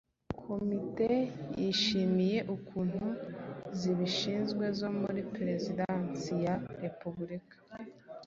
Komite yishimiye ukuntu zibishinzwe zo muri Perezidansi ya Repubulika